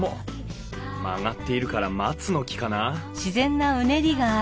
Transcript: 曲がっているから松の木かな？